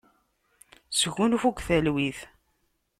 Sgunfu deg talwit.